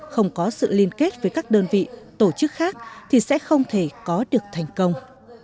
không có sự liên kết với các đơn vị tổ chức khác thì sẽ không thể có được thành công